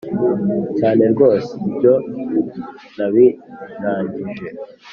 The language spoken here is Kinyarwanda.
cyane rwose, ibyo nabirangije!